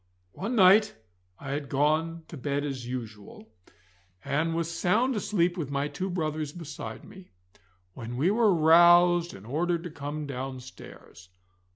One night I had gone to bed as usual, and was sound asleep with my two brothers beside me, when we were roused and ordered to come downstairs.